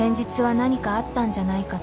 「何かあったんじゃないかと」